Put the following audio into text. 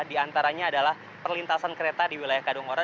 diantaranya adalah perlintasan kereta di wilayah kadunggora